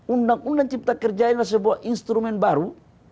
undang undang cipta kerja ini adalah sebuah instrumen baru